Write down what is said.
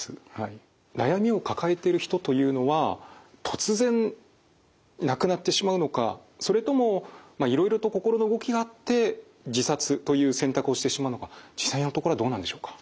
悩みを抱えている人というのは突然亡くなってしまうのかそれともいろいろと心の動きがあって自殺という選択をしてしまうのか実際のところはどうなんでしょうか？